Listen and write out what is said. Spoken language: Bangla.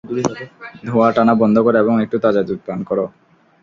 ধোয়াঁ টানা বন্ধ কর এবং একটু তাজা দুধ পান কর।